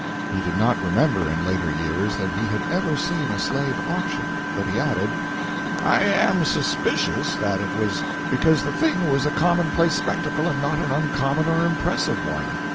He did not remember in later years that he had ever seen a slave auction, but he added: "I am suspicious that it was because the thing was a commonplace spectacle and not an uncommon or impressive one.